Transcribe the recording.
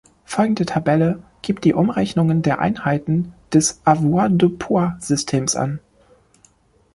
Folgende Tabelle gibt die Umrechnungen der Einheiten des Avoirdupois-Systems an.